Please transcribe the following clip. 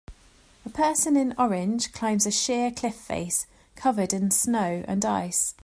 A person in orange climbs a sheer cliff face covered in snow and ice.